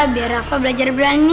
biar rafa belajar berani